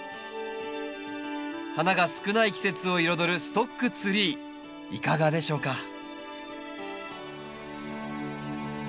花が少ない季節を彩るストックツリーいかがでしょうか？